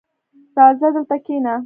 • راځه، دلته کښېنه.